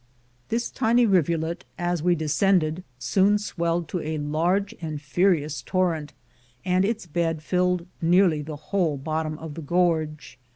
The tiny rivulet as we descended soon swelled to a large and furious torrent, and its bed filled nearly the whole bottom of the gorge.